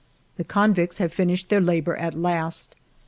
The convicts have finished their labor at last.